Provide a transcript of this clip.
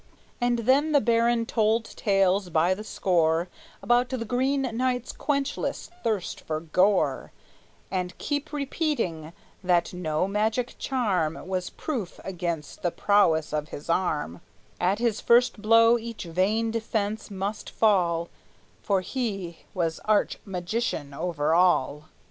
And then the baron told tales by the score About the Green Knight's quenchless thirst for gore, And kept repeating that no magic charm Was proof against the prowess of his arm; At his first blow each vain defense must fall, For he was arch magician over all.